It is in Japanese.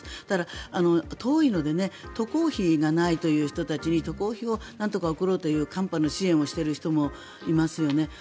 ただ、遠いので渡航費がないという人たちに渡航費をなんとか送ろうという支援をしている人もいますよね。